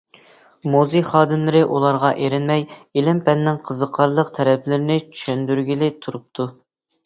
مۇزېي خادىملىرى ئۇلارغا ئېرىنمەي ئىلىم-پەننىڭ قىزىقارلىق تەرەپلىرىنى چۈشەندۈرگىلى تۇرۇپتۇ.